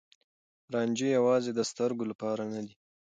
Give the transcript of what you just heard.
رانجه يوازې د سترګو لپاره نه دی.